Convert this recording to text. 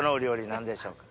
何でしょうか？